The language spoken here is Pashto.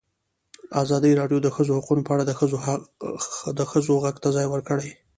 ازادي راډیو د د ښځو حقونه په اړه د ښځو غږ ته ځای ورکړی.